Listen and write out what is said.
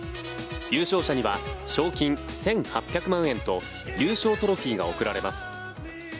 優勝者には、賞金１８００万円と優勝トロフィーが贈られます。